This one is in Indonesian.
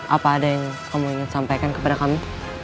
apa ada yang kamu ingin sampaikan kepada kami